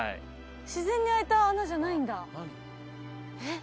自然にあいた穴じゃないんだえっ？